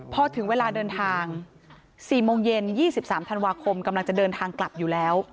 พอถึงเวลาเดินทาง๔โมงเย็น๒๓ธันวาคมกำลังจะเดินทางกลับอยู่แล้ว